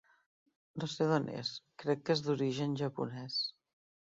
No sé d'on és, crec que és d'origen japonès.